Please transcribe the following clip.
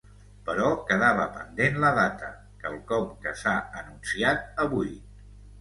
Però quedava pendent la data, quelcom que s’ha anunciat avui.